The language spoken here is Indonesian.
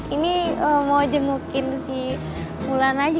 ini mau jengukin si bulan aja